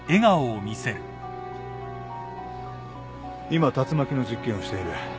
今竜巻の実験をしている。